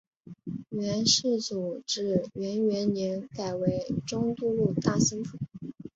元世祖至元元年改为中都路大兴府。